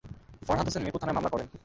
ফরহাদ হোসেন মিরপুর থানায় মামলা করেন।